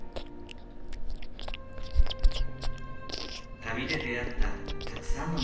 旅で出会ったたくさんの庭。